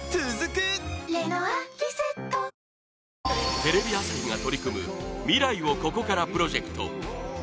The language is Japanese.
テレビ朝日が取り組む未来をここからプロジェクト